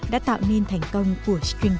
đã tạo nên thành công của stringy ngày hôm nay